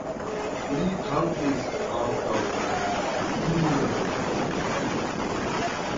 Li kantis ankaŭ en kirkoj.